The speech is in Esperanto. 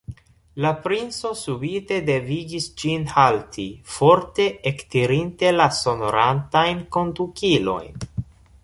La princo subite devigis ĝin halti, forte ektirinte la sonorantajn kondukilojn.